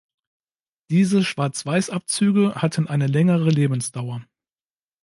Diese Schwarzweiß-Abzüge hatten eine längere Lebensdauer.